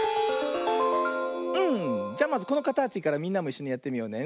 うんじゃまずこのかたちからみんなもいっしょにやってみようね。